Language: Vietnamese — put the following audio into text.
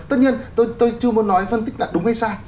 tất nhiên tôi chưa muốn nói phân tích là đúng hay sai